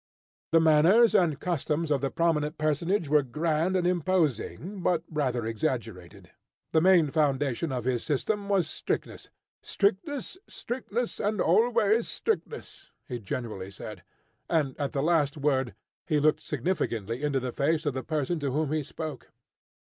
The manners and customs of the prominent personage were grand and imposing, but rather exaggerated. The main foundation of his system was strictness. "Strictness, strictness, and always strictness!" he generally said; and at the last word he looked significantly into the face of the person to whom he spoke.